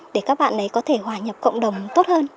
để các bạn ấy có thể hòa nhập cộng đồng tốt hơn